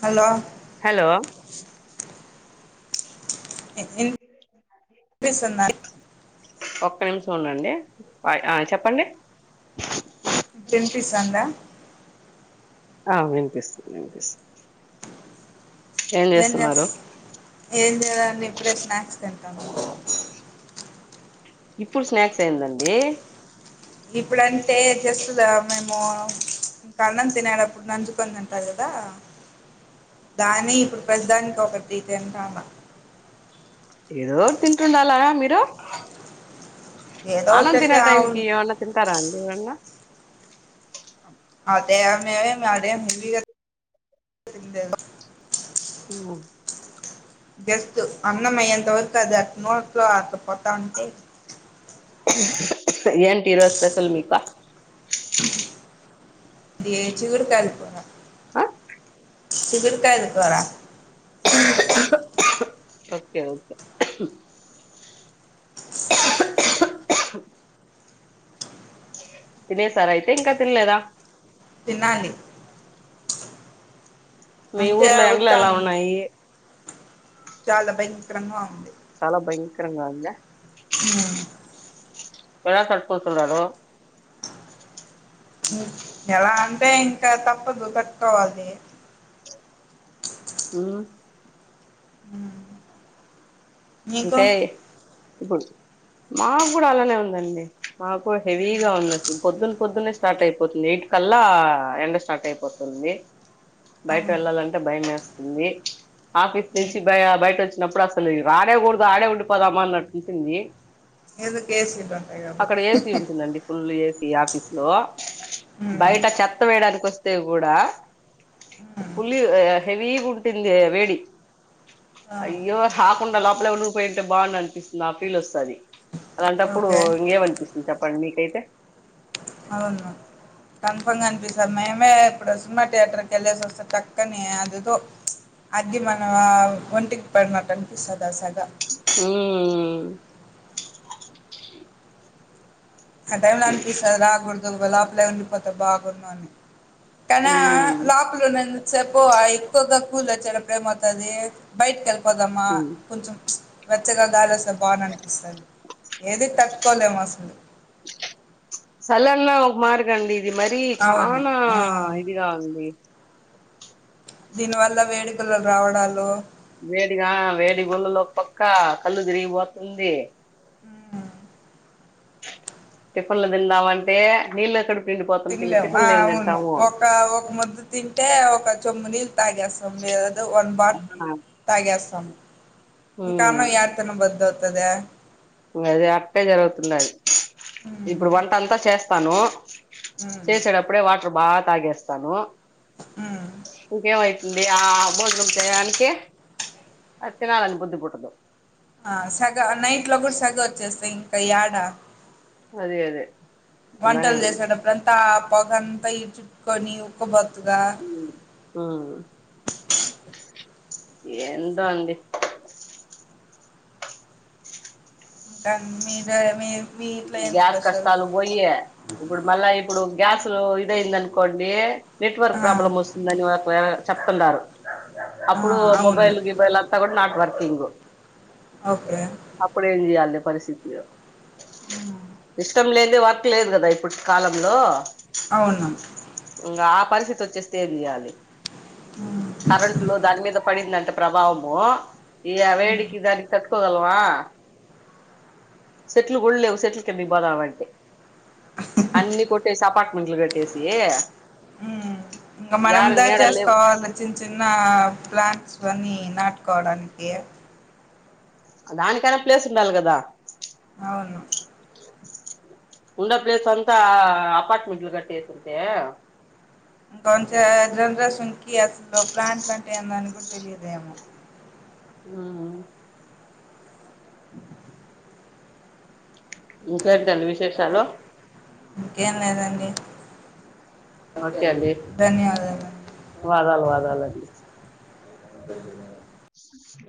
Hello hello ఎందుకు ఏం చేస్తున్నారు ఒక్క నిమిషం ఉండండి. ఆ చెప్పండి వినిపిస్తుందా ఆ వినిపిస్తుంది వినిపిస్తుంది ఏం చేస్త ఏం చేయాలే అండి. ఇప్పుడే స్నాక్స్ తింటాము ఇప్పుడు స్నాక్స్ ఏందండి. ఇప్పుడంటే జస్ట్ దా మేము కారణం తినేడప్పుడు. నంజుకొనితింట కడగొద్ద దాన్నే ఇప్పుడు ప్రస్తూ దానికి ఒకటి తింటాము. ఏదో తింటుండాల గా మీరూ హలో ఏదో అన్నాం ఒకటైతే తినే టైం కి అవును ఏమన్నా తింటారా అండి ఏమాన్నా అదే మీ మా అదే ముందు చెప్తే [unintelligible] ఉ జస్ట్ అన్నము అయ్యే అంత వరకు అది అట్ల నోట్లో అట్ల పోతా అంటే ఏంటి ఈ రోజు స్పెషల్ మీకు ఇదే చిక్కుడుక్కయల కూర ఆ చిక్కుడుక్కయల కూరా ఓకే ఓకే తినేసార్ అయితే ఇంకా తినలేదా తీన్నా అండి మీ అంతే ఊర్లో ఎండలు ఎలా అవుతాంది ఉన్నాయి చాలా భయంకరంగా ఉంది. చాలా భయంకరంగా ఉందా. హ్ ఎలా తట్టుకుంటున్నారు. ఎలా ఇంకా తప్పదు కట్టుకోవాలి ఆ హా అంటే ఇప్పుడు మాకు కూడా అలానే ఉందండి మాకు హెవీగా ఉంది అసలు పొద్దున్న పొద్దున్న స్టార్ట్ అయిపోతుంది ఎయిట్ కల్లా ఎండ స్టార్ట్ అయిపోతుంది బయట అవును వెళ్ళాలంటే భయం వెస్ట్ వ ఆఫీస్ నుంచి బ బయట వచ్చినప్పుడు అసలు రానేకూడదు ఆడే ఉండిపోదామ్మా అన్నట్టుంటుంది ఎద కేసింట ఉంటాగాబ అక్కడ ఏసీ ఉంటుందండి ఫుల్ ఏసీ ఆఫీస్ లో బయట చెత్త వేయడనికి వస్తేకూడా ఉమ్ ఫుల్ హెవీ గా ఉంది వేడి ఆ అ తకుండా లోపలే ఉండి పోయింటే బాగుండు అనిపిస్తుంది ఆ ఫీల్ వస్తుంది అలాంటప్పుడు ఓకే ఇంకేమనిపిస్తుంది చెప్పండి మీకైతే కన్ఫర్మ్గా అనిపిస్తుంది మేమే ఇప్పుడు సినిమా థియేటర్కి వెళ్ళేసి వస్తంది తక్క్కని అదితో అగ్గి మన ఒంటికి పడినట్టు అనిపిస్తుందిా సెగ హుమ్మ్ ఆ టైమ్లా అనిపిస్త అ కొంచెం లోపలే ఉండిపోతే బాగుండని కానీ ఆ ఉమ్ లోపలో ఉన్నందించ సేపూ ఎక్కువగా కూల్ చెిన మతాది బయట్ కల్ పోదామా కొంచెం వెచ్చగా గాలి వస్తే బాగుండని అనిపిస్తది ఏది తట్టుకోలేం అసల్ సలా నా ఒక మాటకి రండి ఇది మరిీ అవును చాలా ఆ. ఇదిగా ఉంది దీనివల్ల వేడుకలు రావడాలు వేడి గా వేడి గుల్లలు అక్క కళ్ళు తిరిగిపోతుంది హ టిఫీన్ లు తిందామంటే నీళ్ళ కడుపు నిండిపోతుంది ఇంక తినలేము ఆ టిఫిన్లు ఏం అవును తింటాము ఒక ఒక ముద్ద తింటే ఒక చొమ్ము నీళ్ళు తాగేస్తాం లేదంటే వన్ బాటిల్ తాగేస్తాం త ఉమ్ ఇంకానవ ార్ తన బద్దద్ పదా అదే అట్టే జరుగుతుండ అది ఉమ్, ఇప్పుడు వంట అంతా చేస్తాను ఉమ్, చేసడ అప్పుడే వాటర్ బాత్ తగేస్తాను ఉమ్. ఇంకేమైతుంది ఆ భోజనం చేయనికి అ తినాల అని బుధి పెట్టదు ఆ సెగ నైట్ లో కూడా సెగ జసింగ్ కయాడా అదే అదే అలానే వంటలు ఉంది చేసాడుప్పుడంతా పొగంతా ఇ చుట్ కొనీ ఉప్పు బత్ ఆవునా ఎంటో అండి ఇంకా మీద మీ ఇంట్లో ఏం గ్యాస్ స్పెషల్ కష్టాలు పోయే ఇప్పుడు మళ్ళా ఇప్పుడు గ్యాస్ ఇదయందనుకో కొండి నెట్వర్క్ ఆ ప్రాబ్లమ్ వస్తుందని ఒకవె చెప్తున్నారు ఆ అప్పుడు అవును మొబైల్ గిబైల్ అంతా కూడా నాట్ వర్కింగ్ ఓకే అప్పుడు ఏం చేయాలి పరిస్ టీటీఆర్ ఇష్టం లేందే వర్క్ లేదు కదా ఇప్పుడు కాలంలో అవును ఇంకా పరిస్థితి వచ్చేస్తే ఏం చేయాలి కరెంట్ లో దాని మీద పడిందంటే ప్రభావం ఆ ఇయ్య వేడికి దానికి తట్కోగల్మా చెట్లు కొళ్లేవు చెట్లకిబదావంటే అన్ని కొట్టేసి అపార్ట్మెంట్లు కట్టేసి ఊ ఇంకా మన యాడ దా నీడ లేవు చేసుకోవాలి చిన్న చిన్న ప్లాన్స్ వని నాటుకోవడానికి దానికైనా ప్లేస్ ఉండాలి కదా అవును ఉండ ప్లేస్ అంతా అపార్ట్మెంట్లు గట్టేస్తుంటే ఇంకంచె జనరెసన్ అసలు ప్లాంట్లు అంటే ఏందని కూడా తెలియదేమో ఊ [inaudible] ఇసరిదండి విశేషాలు ఇంకేం లేదండి ఓకే అండి వాదాలు వాదాలండి స